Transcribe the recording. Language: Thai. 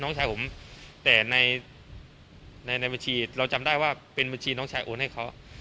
น้องชายผมแต่ในในบัญชีเราจำได้ว่าเป็นบัญชีน้องชายโอนให้เขา